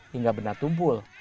hingga bena tumpul